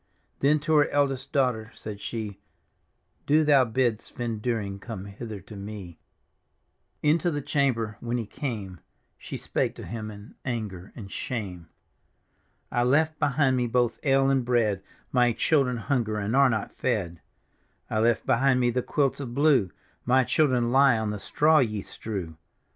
Then to her eldest daughter said she, " Do thou bid Svend Dyring come hither to me," Into the chamber when he came She spake to him in anger and shame. " I left behind me both ale and bread ; My children hunger and are not fed. D,gt,, erihyGOOgle The Haunted Hour " I left behind me the quilts of Wuc; My diildren lie on the straw ye strew.